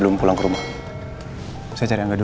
cuma terus nyuruh nyuruhin aja